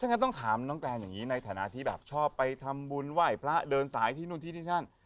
งั้นต้องถามน้องแตนอย่างนี้ในฐานะที่แบบชอบไปทำบุญไหว้พระเดินสายที่นู่นที่นี่ที่นั่น